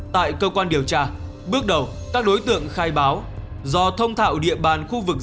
tại cơ quan điều tra bước đầu các đối tượng khai báo do thông thạo địa bàn khu vực